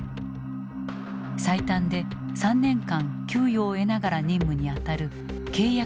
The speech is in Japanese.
最短で３年間給与を得ながら任務にあたる契約軍人。